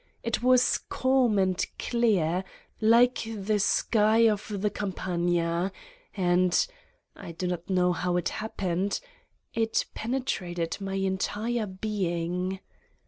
It was calm and clear, like the sky of the Campagna and I do not know how it happened it penetrated my entire being.